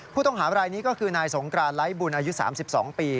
ผู้ต้องหาบรายนี้ก็คือนายสงกรานไร้บุญอายุ๓๒ปี